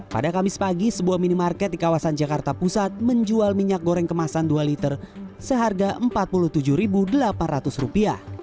pada kamis pagi sebuah minimarket di kawasan jakarta pusat menjual minyak goreng kemasan dua liter seharga rp empat puluh tujuh delapan ratus